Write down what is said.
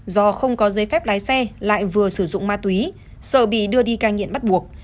do không có giấy phép lái xe lại vừa sử dụng ma túy sợ bị đưa đi cai nghiện bắt buộc